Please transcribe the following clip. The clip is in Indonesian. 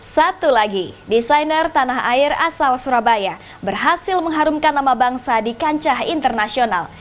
satu lagi desainer tanah air asal surabaya berhasil mengharumkan nama bangsa di kancah internasional